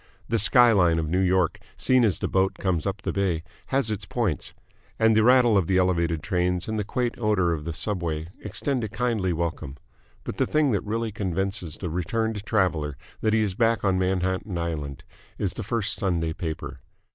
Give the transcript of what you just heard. The sky line of New York, seen as the boat comes up the bay, has its points, and the rattle of the Elevated trains and the quaint odour of the Subway extend a kindly welcome, but the thing that really convinces the returned traveller that he is back on Manhattan Island is the first Sunday paper.